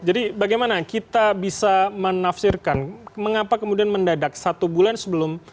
jadi bagaimana kita bisa menafsirkan mengapa kemudian mendadak satu bulan sebelum